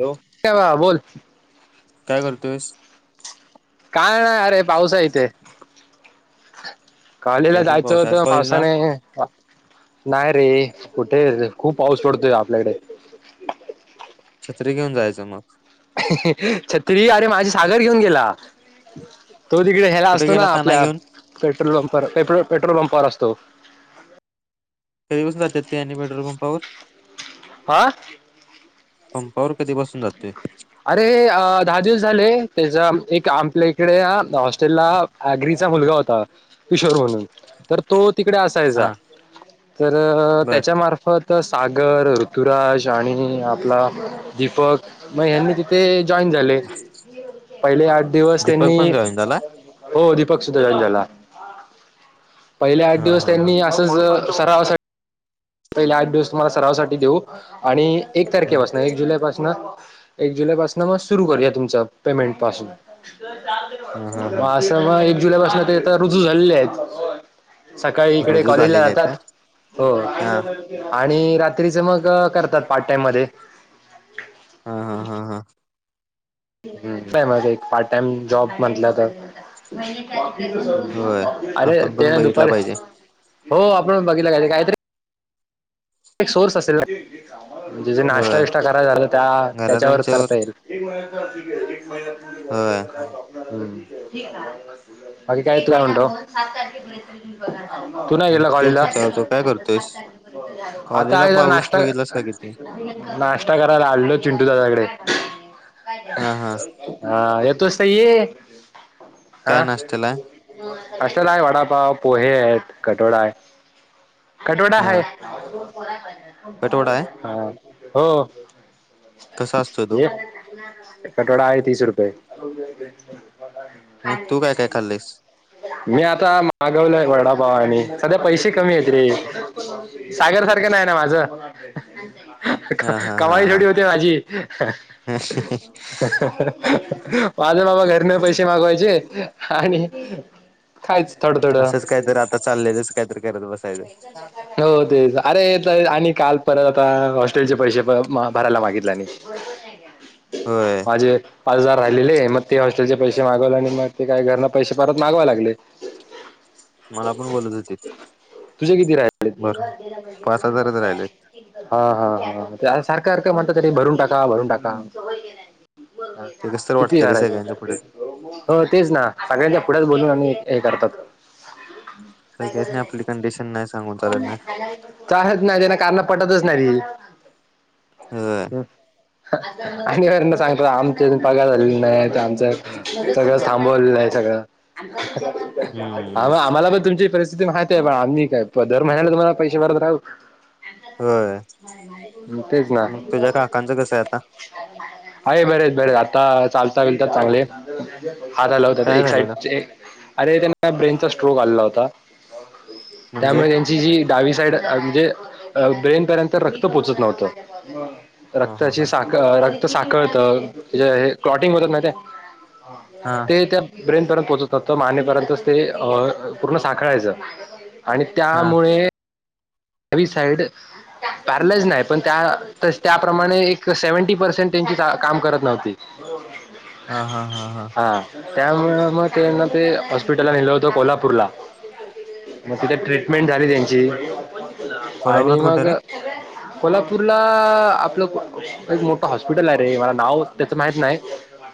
Hello बोल, काय करतोयस? काय नाही अरे पाऊस हाय इथे, कॉलेज ला इकडे पण जायचं पाऊस आहे. आज होतं कॉलेजला पावसाने, नाही रे, कुठे खूप पाऊस पडतोय आपल्याकडे. छत्री घेऊन जायचं मग. छत्री अरे माझे सागर घेऊन गेला. तो तिकडे ह्याला कुठे असतो ना, गेला ताना आपल्या घेऊन पेट्रोलपंप. पर पेट्रो पेट्रोल पंपावर असतो. [unintelligible] तेनी पेट्रोल पंपावर, हा, पंपावर कधी पासून जा अरे अ.. दहा दिवस झाले, त्याचा एक आपल्या इकडे हॉस्टेला अॅग्रीचा मुलगा होता. किशोर म्हणून, तर तो तिकडे असायचा हा तर, बर त्याच्यामार्फत. तर सागर ऋतुराज आणि आपला दीपक म ह्यांनी तिथे, जॉईन झाले पहिले आठ दिवस दीपक त्यांनी पण जॉईन झाला हो दि पक सुद्धा झालेला. पहिले आठ हा दिवस हा हा त्यांनी असंच सरावासाठी, पहिले आठ दिवस तुम्हाला सरावासाठी देऊ, आणि एक हम्म, तारखेपासन एक जुलैपासना, एक जुलै पासना मग सुरू करूया तुमच पेमेंट पासून. हा हा हा म असं मग एक जुलै पासून ते आता रुजू झालेले आहेत. सकाळी इकडे रुजू कॉलेजला झालेले आहेत जातात. का हो हा आणि रात्रीच मग करतात पार्ट टाइम मध्ये. हा हा हा हा, हम्म फेमस आहे. एक पार्ट टाइम जॉब म्हटलं तर, होय अरे आपण ते पण ना बघितला दुपारी, पाहिजे हो आपण बघितला काय तरी, [inaudible] म्हणजे जे नाश्ता होय बिष्टा कराय झालं, तर त्या त्याच्यावरच घरातल्यांच्यावर करता येईल. [inaudible] होय हां, बाकी काय तू आ मंतो? तू नाही मी गेला कॉलेज तेच ला? विचारतो काय करतोयस आता कॉलेजला आहे जरा पाऊस नाश्ता, बघितलास का किती नाश्ता करायला आलेलो चिंटू दादाकडे. हा हा हां, येतोस त ये. काय हां. नाश्त्याला आहे? कटोडाय, वडापाव, पोहे एत, कठोडा आय, कठोडा हा हाय. कटवडा आहे हां, हो. कसा असतो तो ये, कटवडा आय तीस रुपये. अं, तू काय काय खाल्लेस मी आता मागवलाय वडाप पव आणि, सध्या पैसे कमी येत रे. सागर सारखं नाही ना माझं. हा हा हा कमाई हा थोडी होते माजी. असंच माझं बाबा घरने पैसे मागवायचे, आणि खायच् असंच काहीतरी आता चाललेलस् काहीतरी करत बसायचं. हो तेज आरे तय आणि काल परत अ हॉस्टेलचे पैसे ब म अं भरायला मागितले आणि. होय माजे पाच हजार राहिलेले म ते हॉस्टेलचे पैसे मागवले आणि म ते काही घरना पैसे परत मागवाव लागले मला पण बोलत हुतीत. तुझे किती राहिले? हजारच राहिले हां-हां-हां सारखं सारखं म्हणत तरी भरून टाका भरून टाका ते कस तर किती वाटते रे आरे? सगळ्यांच्या पुढे हो तेच ना सगांच्या कुढच बोलून आणि हे करतात. सगळ्यासनी आपली कंडिशन नाही सांगून चालत ना चालत नाय, त्यांना कारनं पटतच नाही त होय आणि आरनं सांगतो आमच्याून पगार झालेल नाही, त आमचं सगळं थांबवलेलं आय सगळं. हम्म आम आम्हाला पण तुमची परिस्थि स्तिथी माहिते बा, आम्ही काय दर महिन्याला तुम्हाला पैसे भरत राहू होय म तेच ना. मग तुझ्या काकांचं कसं आहे आता आए बरेच बरेच आता. चालता विलता चांगले, हात हलावतात, काय एक झालेलं साइडचे अरे त्यांना ब्रेनचा स्ट्रोक आलेला होता. म्हणजे त्यामुळे यांची जी डावी साईड म्हणजे अ ब्रेन पर्यंत रक्त पोचत नव्हतं. हा हा रक्ताची हा साख अं रक्त साखळतं. तेज हे क्लॉटिंग होतात मोहिते? हा ते त्या ब ब्रेन पर्यंत पोचत नवतं, म आणि परत ते अ पूर्ण साखळायचं. आणि हा त्यामुळे वी साईड प्यारलाईज नाही पण त्या त्याप्रमाणे एक सेवेंटी पर्सेंट ए तीजा काम करत नव्हती. हां-हां-हां-हां त्यामुळं म तेना ते, हॉस्पिटलला न्हेलं होतं कोल्हापूरला. म तिथं ट्रीटमेंट झाली त्यांची, आणि कोल्हापुरात कुठे मग रे कोल्हापूरला आपलं एक मोठं हॉस्पिटल हाय रे मला नाव त्याचं माहित नाही.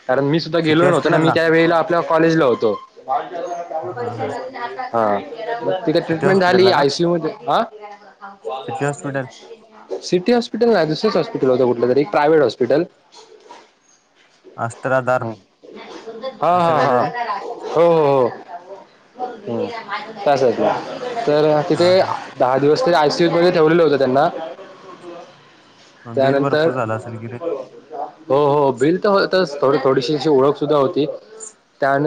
कारण मी सुद्धा सिटी गेलो नव्हतो ना हॉस्पिटल मी ला त्या वेळेला आपल्या कॉलेजला होतो. हा हा हां, म तिथं सिटी ट्रीटमेंट हॉस्पिटल झाली ला का आयसीयू मध्ये आं सिटी हॉस्पिटल सिटी हॉस्पिटलला आय दुस् तूच असतो [unintelligible] कुटलं तरी प्रायव्हेट हॉस्पिटल. अस्त्राधार. असं काय तरी हां-हां-हां, हो-हो-हो हम् कासतनं तर तिथे हा हा दहा दिवस ते आयसीयू मध्ये ठेवलेलं होत त्यांना. बिल त्यानंतर भरपूर झालं असेल की रे [inaudible] हो हो बिलच होत असत होय. थोडीशी अशी ओळख सुद्धा होती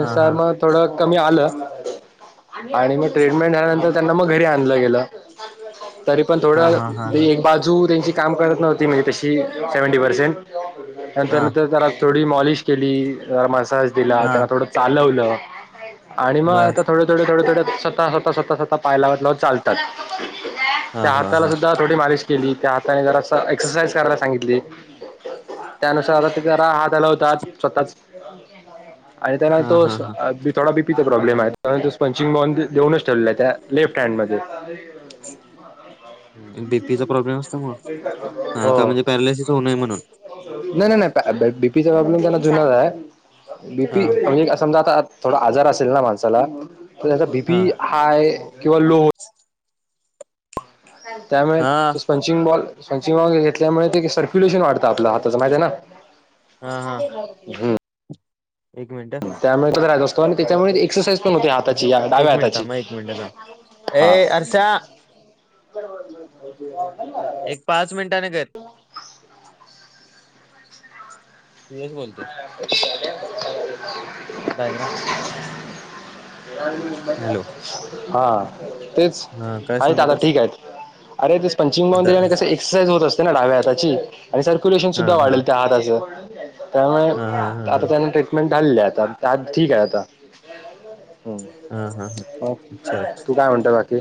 हा हा मग थोडं कमी आलं आणि मग ट्रीटमेंट झाल्यानंतर त्यांना मग घरी आणलं गेलं. तरी पण हा थोडं हा हा हा एक बाजू त्यांची काम करत नव्हती म्हणजे तशी सेव्हंटी पर्सेंट. हा नंतर नंतर त्याला थोडी मॉलिश केली अ मसाज दिला हा त्यांना थोडं चालवलं. आणि मग बर. आता थोडं, थोडं, थोडं, थोडं स्वता स्वता स्वता स्वता पाय लावत लावत चालतात. हा त्या हा हाताला हा सुद्धा थोडी मालिश केली. त्या हाताने जरास एक्ससाइज करायला सांगितली. त्यानुसार आता ते जरा आत आला होता स्वतःच आणि त्याना हा हा तोस हा थोडा भि प्रॉब्लेम आहे त्यामुळे ते स्पंचिंग बॉल देऊनच ठेवलेला आहे त्या लेफ्ट हँड मध्ये. बीपीचा प्रॉब्लेम असल्यामुळं हा हो. का म्हणजे पॅरालिसिस होऊ नये म्हणून. नाही, नाही, नाही बीपीचा प्रॉब्लेम त्यांना जुनाच आहे. बीपी हा म्हणजे समजा आता थोडा आजार असेल ना माणसाला तर त्याचा बीपी हा हाय किंवा लो त्यामुळे हा ते स्पंचिंग बॉल स्पंचिग बॉल घेतल्यामुळे ते सर्क्युलेशन वाढतं आपलं हाताच महिती आहे ना. हा हा हम्म. एक मिनट ह तो राहत असतो आणि त्याच्यामुळे एक्सरसाईज पण होते आता एक डाव्या मिनिट आताची थांब एक मिनिट थांब. ए हा. अर्षा बरोबर एक पाच मिनिटाने कर. सुयश बोलतोय. डायग्राम [inaudible] हॅलो हा तेच हा काय आहेत, सांगत आता होतास ठीक आहेत. अरे ते स्पचिंग बॉल आता दिल्याने कंस एक्सरसाईज होत असते ना डाव्या हाताची आणि सर्क्युलेशन हा सुद्धा हा वाढल त्या हाताचं. त्यामुळे हा हा हा आता हा त्याना ट्रीटमेंट झालेली आहे आता आ ठीक आहे आता. हा हा हा. अच्छा तू काय म्हणतो बाकी?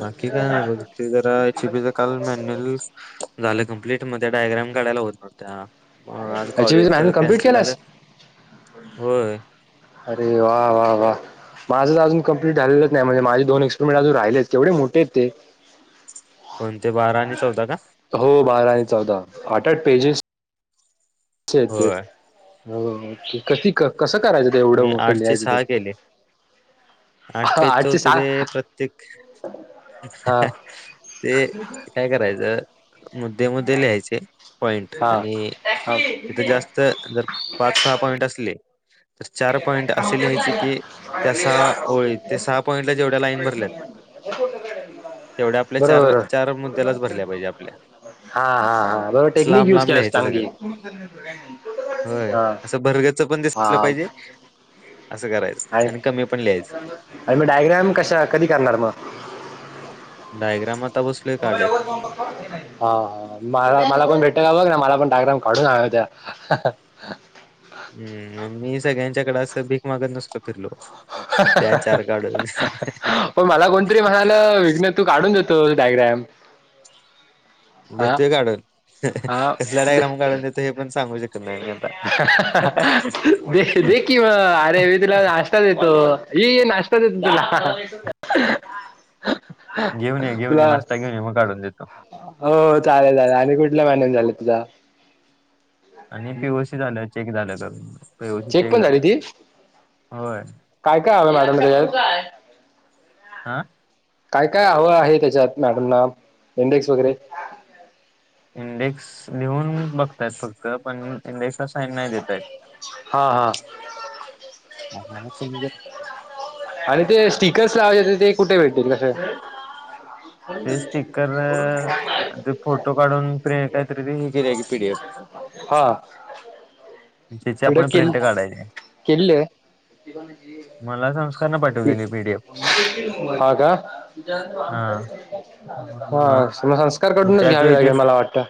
बाकी काय नाही बघ ते जरा चुपीच काल मॅन्युअल झालं कंप्लीट म ते डायग्राम काढायला होत नव्हत्या, मग आज याची मॅन्युअल कॉलेजच कम्प्लीट कॅन्सल झालं. केलास होय. अरे वा वा वा! माझंच अजुन कंप्लीट झालेलंच नाही म्हणजे माझे दोन एक्सुमेंट अजुन राहिलेत केवढे मोेठे आहेत ते [inaudible] बारा आणि चौदा का हो बारा आणि चौदा आठ-आठ पेजेस चे आहेत होय ते कथी कस करायचं ते एवढं मी मोठं आठशे लिहायचं ते. सहा केले आठ पेजच आठशे होत ते सहा प्रत्येक हा ते काय करायचं मुद्दे-मुद्दे लिहायचे पॉईंट हा आणि हा तिथ जास्त जर पाच, सहा पॉईंटच लीहि. [inaudible] [inaudible] त्या सहा ओळी ते सहा पॉईंटला जेवढ्या लाईन भरल्यात तेवढ्या आपल्या चार बरोबर, चार मुद्द्यालाच भरल्या पाहिजे आपल्या हा हा हा! बरोबर असं टेक्निक लांब युज लांब केलाइस लिहायचं सगळं चांगली. [unintelligible] होय. हा असं भरगच्च पण दिसलं पाहिजे असं हाय. करायचं आणि कमी पण लिहायचं आणि डायग्राम कशा, कधी करणार मग? डायग्रामात हा! हा! हा! मला-मला कोण भेट का बघ ना मला पण डायग्राम काढून आणायच्या हम्. मग मी सगळ्यांच्याकडे असं भीक मागत नसतो. फिरलो द्या चार काढून पण मला कोणतरी म्हणाल विघ्न तू काढून देतो तो डायग्राम हा देतोय काढून हा कसला दे डायग्राम काढून देतोय हे पण सांगू शकत नाही मी आता दे दे कि म अरे मी तुला नाश्ता देतो. ये ये नाश्ता देतो तुला. घेऊन ये, घेऊन ये, तुला नाश्ता घेऊन ये मग काढून देतो. हो चालेल-चालेल आणि कुठल भांडन झालं तुझा? आणि पीओसी झालं चेक झालं करून. पीओसी चेक पण झालं झाली ती होय काय काय हव मॅडम आं काय काय हव आहे? त्याच्यात मॅडमना इंडेक्स वगैरे? इंडेक्स लिहून बघतायत फक्त, पण इंडेक्सला साईन नाही देताहेत. हा. हा. आम्हाला समजत आणि ते स्टि कर्सलावायचे होते ते कुठे भेटतील? कसं? ते स्टिकर ते फोटो काढून प्रिं काहीतरी हे केले की पीडीएफ [inaudible] हा. [inaudible] त्याची आपण प्रिंट काढायची मला [unintelligible] संस्कारनं पाठवलेली पीडीएफ हा का हा हा मग संस्कार कडूनच त्याच घ्यावे लागेल येतीस मला वाटतं.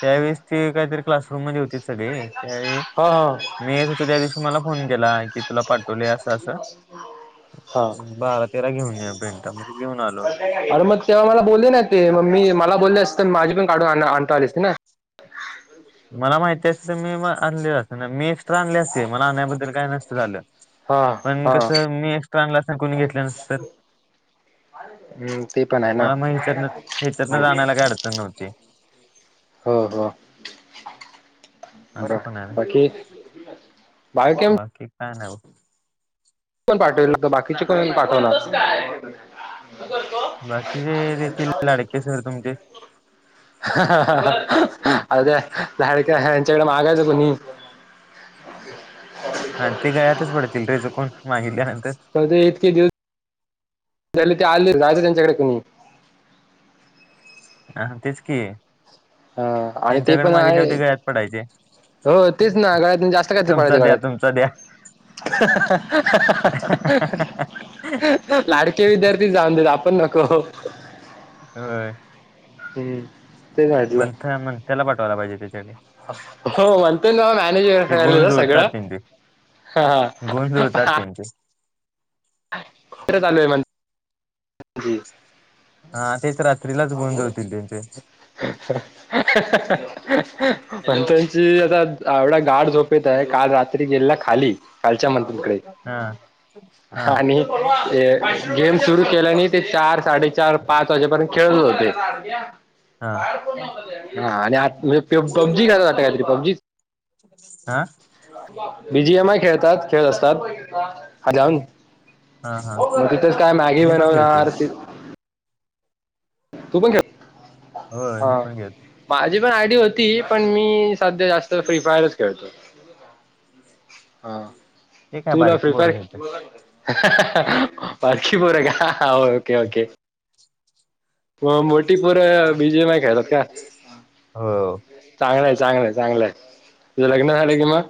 त्यावेळेस ती काहीतरी क्लासरूम मध्येे होतीत सगळे. त्यावेळी हा हा मीे येत होतो त्या दिवशी मला फोन केला की तुला पाठव ले अस अस हा बारा, तेरा घेऊन या पेंटा म ते घेऊन आलो. अरे मग तेव्हा मला बोलले नाहीत ते मग मी मला बोलले असते तर माझी पण काढून आण आणता आली असती ना. मला माहिती असती तर मी म आणली असती, मी एक्स्ट्रा आणली असती मला आणायबद्दल काय नसत झालं. हा पण हा कसं मी एक्स्ट्रा आणल असता कुणी घेतलं नसत. ते पण आहे ना मला मग हीच्यारनं हीचारून आनायला काही अडचण नव्हती. हो हो. बरोबर, असं पण आहे ना. बाकी? बा की बाकी काय नगो. कोण पाठवले होते? बाकीचे कोण पाठवणार? यचंांग बाकी जे देतील लाडके सर तुमचे [unintelligible] ह [inaudible] अ अवो त्या लाडक्या ह्यांच्याकडे मागायचं कोणी? हा ते गळ्यातच पडतील रे चुकुन मागितल्यानं हृदय इतके दिवस झाले ते आलेत राहते त्यांच्याकडे कुणी? हा तेच की, ह आणि ते त्यांच्याकडे पण मागितल्यावर आहे ते गळ्यात पडायचे. हो तेच ना गळ्यात म्हजे जास्त काहीतरी तुमचा पडायचे द्या गळ्यात तुमचा द्या. [inaudible] लाडके विद्यार्थी जाऊन देत आपण नको. होय. हम्म. तेच म्हटलं मंथ मनथ्याला पाठवायला पाहिजे त्याच्यासाठी हो मंतन ना मॅनेेज होईल गुण ना सगळ. जुळतात त्यांचे. हा गुण जुळतात हा. त्यांचे तिकडचं आलोय म्हण हा तेच रात्रीलाच हा गुण बोल. जुळतील त्यांचे [inaudible] पंचांची आता एवढा गाड झोपेत आहे, काल रात्री गेलेला खाली खालच्या मंत्री कडे हा हा आणि गेम सुरू केल्याने ते चार, साडे चार, हा पाच वाजेपर्यंत खेळतच होते. हा हा आणि आत म्हणजे पबजी खेळत होते वाढत आता काहीतरी पबजीच बीजी एमाय खेळतात. हा हा [unintelligible] मी पण खेळतोय [unintelligible] तू पण खेळ होय हा मी पण खेळतो मा माझी पण आयडी होती पण मी सध्या जास्त फ्री फायरच खेळतो. हा ते काय तुला बारीक पोरं प्रिफायर खेळतोय पाखीपूर आहे का ओके! ओके! मोठी पोर बीजे माय खेळतात का? हो. चांगलंय चांगलंय, चांगलंय तुझं लग्न झालं कि मग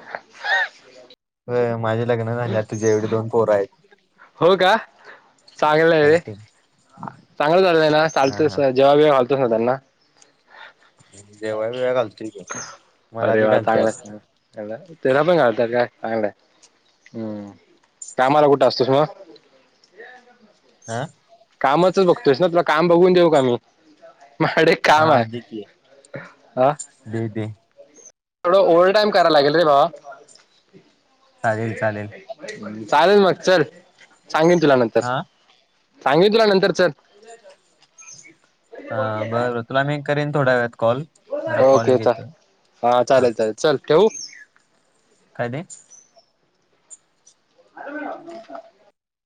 माझे लग्न झाल्यात, तुझ्या एवढी दोन पोर आहेत. हो का चांगलं आहे रे! कॅन्टीन चांगलं झालंय ना हा चालतय जेवा- बीवा तस ना त्यांना जेवाय-बिवाय घालतोय कि. अरे वा! चांगला चांगल आहे. तेला पण घालतात काय? चांगलाय हम्म कामाला कुठं असतोस मग? हह कामाच बघतोस ना. तुला काम बघून देऊ का मी. माझ्याकड एक हा काम आहे दे की हा. दे दे थोडं ओव्हर टाइम कराव लागेल रे भावा. चालेल चालेल. चालेल मग चल सांगेन तुला नंतर हा. सांगिन तुला नंतर चल हा बरं तुला मी करीन थोड्या वेळात कॉल जरा कॉल ओके एक चा येतोय हा चालेल चालेल चल ठेवू. काय ते [inaudible]